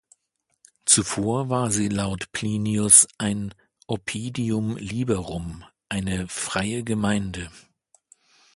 Zuvor war sie laut Plinius ein "oppidum liberum", eine freie Gemeinde.